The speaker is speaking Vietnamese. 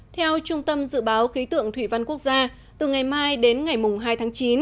theo trung tâm dự báo khí tượng thủy văn quốc gia từ ngày mai đến ngày hai tháng chín